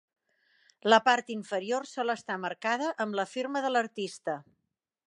La part inferior sol estar marcada amb la firma de l'artista.